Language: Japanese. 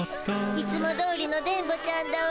いつもどおりの電ボちゃんだわ。